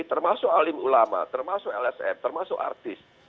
termasuk alim ulama termasuk lsm termasuk artis